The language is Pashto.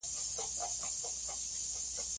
ازادي راډیو د اقلیتونه حالت په ډاګه کړی.